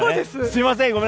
すみません。